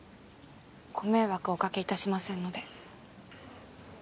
ご迷惑はおかけいたしませんので。